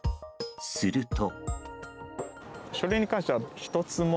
すると。